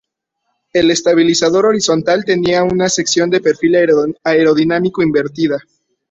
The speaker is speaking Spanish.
El estabilizador horizontal tenía una sección de perfil aerodinámico invertida.